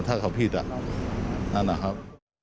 ถ้าเขาผิดนั่นนะครับ